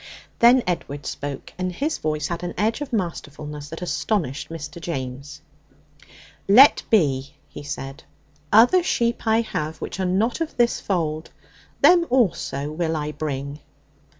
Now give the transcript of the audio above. Then Edward spoke, and his voice had an edge of masterfulness that astonished Mr. James. 'Let be,' he said. '"Other sheep I have which are not of this fold. Them also will I bring."